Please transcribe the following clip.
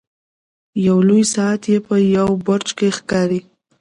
یو لوی ساعت یې په یوه برج کې ښکاري.